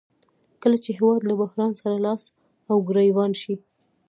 کله چې هېواد له بحران سره لاس او ګریوان شي